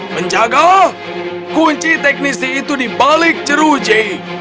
menjaga kunci teknisi itu di balik jeruji